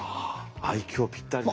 愛嬌ぴったりね。